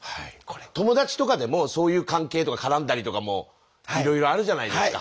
友達とかでもそういう関係とか絡んだりとかもいろいろあるじゃないですか。